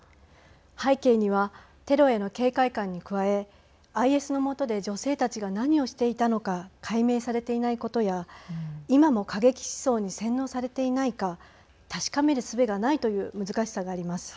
背景にはテロへの警戒感に加えＩＳのもとで女性たちが何をしていたのか解明されていないことや今も過激思想に洗脳されていないか確かめるすべがないという難しさがあります。